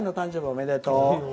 おめでとう。